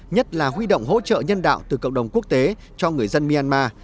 nhất là huy động hỗ trợ nhân đạo từ cộng đồng quốc tế cho người dân myanmar